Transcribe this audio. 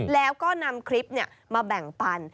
แล้วก็นำคลิปมาแบ่งปัน